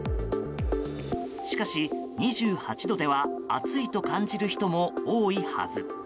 しかし、２８度では暑いと感じる人も多いはず。